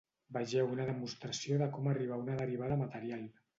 Vegeu una demostració de com arribar a una derivada material.